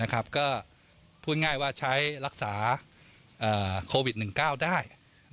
ก็พูดง่ายว่าใช้รักษาโควิด๑๙ได้